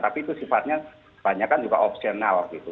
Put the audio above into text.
tapi itu sifatnya banyak kan juga opsional gitu